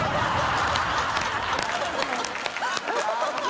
ハハハ